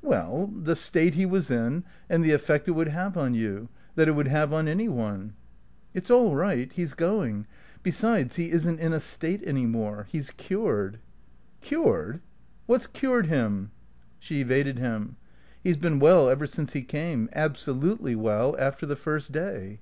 "Well the state he was in, and the effect it would have on you that it would have on any one." "It's all right. He's going. Besides, he isn't in a state any more. He's cured." "Cured? What's cured him?" She evaded him. "He's been well ever since he came; absolutely well after the first day."